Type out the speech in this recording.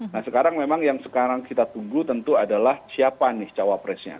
nah sekarang memang yang sekarang kita tunggu tentu adalah siapa nih cawapresnya